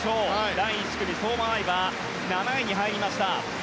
第１組、相馬あいは７位に入りました。